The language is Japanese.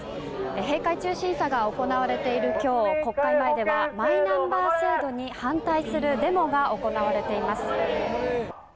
閉会中審査が行われている今日国会前ではマイナンバー制度に反対するデモが行われています。